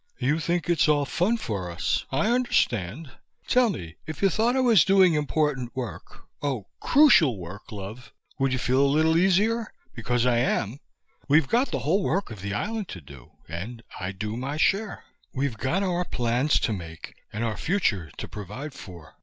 "You think it's all fun for us. I understand. Tell me, if you thought I was doing important work oh, crucial work, love would you feel a little easier? Because I am. We've got the whole work of the island to do, and I do my share. We've got our plans to make and our future to provide for.